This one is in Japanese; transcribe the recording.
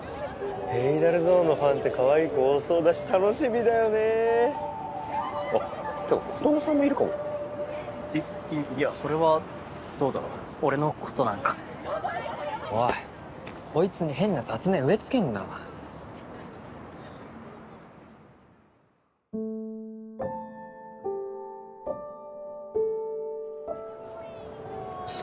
ＨＡＤＡＬＺＯＮＥのファンってかわいい子多そうだし楽しみだよねあってか琴乃さんもいるかもいいやそれはどうだろ俺のことなんかおいこいつに変な雑念植え付けんなウソ？